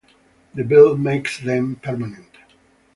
This Bill makes them permanent.